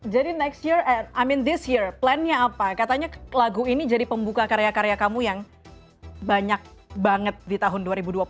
jadi tahun depan maksud saya tahun ini rencana apa katanya lagu ini jadi pembuka karya karya kamu yang banyak banget di tahun dua ribu dua puluh dua